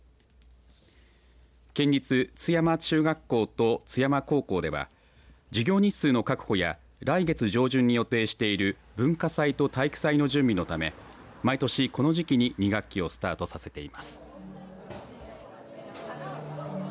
県立津山中学校と津山高校では授業日数の確保や来月上旬に予定している文化祭と体育祭の準備のため毎年この時期に２学期をスタートさせています。